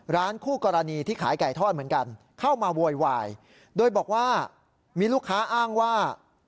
คู่กรณีที่ขายไก่ทอดเหมือนกันเข้ามาโวยวายโดยบอกว่ามีลูกค้าอ้างว่า